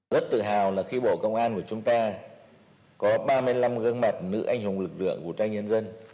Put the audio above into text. rất tự hào là khi bộ công an của chúng ta có ba mươi năm gương mặt nữ anh hùng lực lượng vũ trang nhân dân